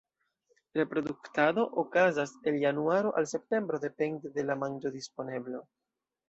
Reproduktado okazas el januaro al septembro depende de la manĝodisponeblo.